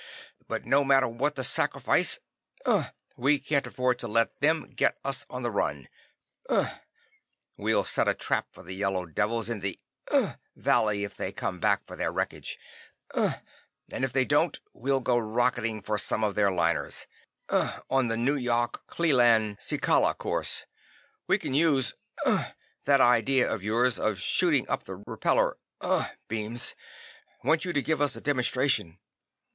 But no matter what the sacrifice unh we can't afford to let them get us on the run unh . We'll set a trap for the yellow devils in the unh valley if they come back for their wreckage unh and if they don't, we'll go rocketing for some of their liners unh on the Nu yok, Clee lan, Si ka ga course. We can use unh that idea of yours of shooting up the repellor unh beams. Want you to give us a demonstration."